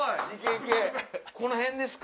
この辺ですか？